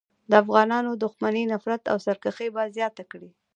د افغانانو دښمني، نفرت او سرکښي به زیاته کړي.